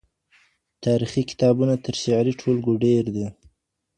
تاريخي کتابونه تر شعري ټولګو ډېر دي.